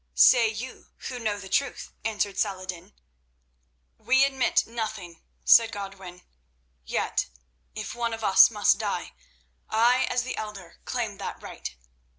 "Say you, who know the truth," answered Saladin. "We admit nothing," said Godwin; "yet, if one of us must die, I as the elder claim that right."